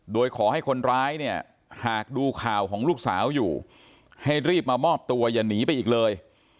โดยขอให้คนร้ายเนี่ยหากดูข่าวของลูกสาวอยู่ให้รีบมามอบตัวอย่าหนีไปอีกเลย